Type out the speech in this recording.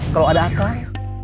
kalau ada akal